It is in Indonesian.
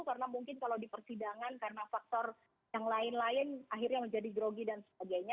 karena mungkin kalau di persidangan karena faktor yang lain lain akhirnya menjadi grogi dan sebagainya